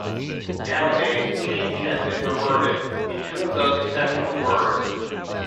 Nowadays, the change has been reverted in two of those exceptional words.